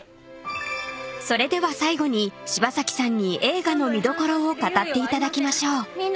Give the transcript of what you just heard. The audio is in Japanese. ［それでは最後に柴咲さんに映画の見どころを語っていただきましょう］